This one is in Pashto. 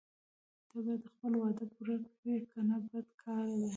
ته باید خپله وعده پوره کړې کنه بد کار ده.